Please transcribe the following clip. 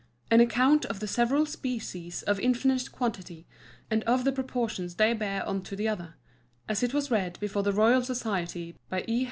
_An Account of the several Species of Infinite Quantity, and of the Proportions they bear one to the other; as it was read before the Royal Society, by _E.